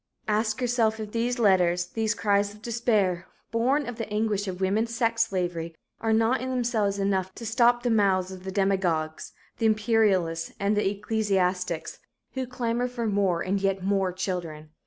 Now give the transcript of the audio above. Ask yourself if these letters, these cries of despair, born of the anguish of woman's sex slavery are not in themselves enough to stop the mouths of the demagogues, the imperialists and the ecclesiastics who clamor for more and yet more children?